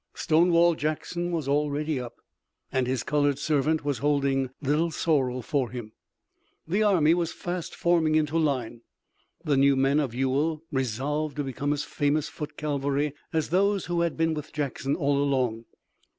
Stonewall Jackson was already up, and his colored servant was holding Little Sorrel for him. The army was fast forming into line, the new men of Ewell resolved to become as famous foot cavalry as those who had been with Jackson all along.